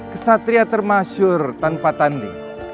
kesatria termasyur tanpa tanding